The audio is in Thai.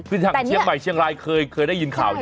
คือทางเชียงใหม่เชียงรายเคยได้ยินข่าวอยู่